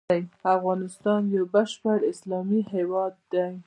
افغانستان يو بشپړ اسلامي هيواد دی.